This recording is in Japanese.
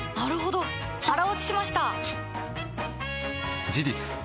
腹落ちしました！